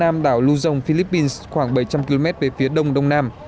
nam đảo luzon philippines khoảng bảy trăm linh km về phía đông đông nam